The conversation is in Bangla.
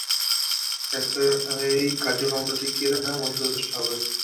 এতেই কার্যক্রমটা টিকিয়ে রাখার মতো যথেষ্ট হবে।